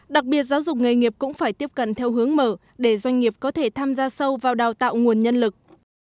đặc biệt giáo dục nghề nghiệp cũng phải tiếp cận theo hướng mở để doanh nghiệp có thể tham gia sâu vào đào tạo nguồn nhân lực